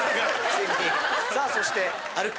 さあそして歩く